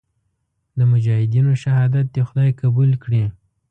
د مجاهدینو شهادت دې خدای قبول کړي.